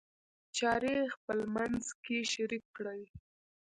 چارې خپلمنځ کې شریک کړئ.